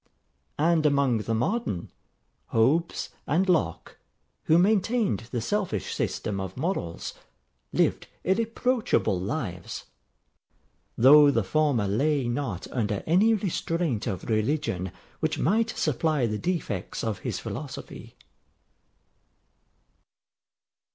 And among the modern, Hobbes and Locke, who maintained the selfish system of morals, lived irreproachable lives; though the former lay not under any restraint of religion which might supply the defects of his philosophy.